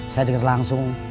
saya denger langsung